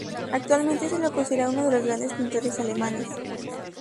Actualmente se le considera uno de los grandes pintores alemanes.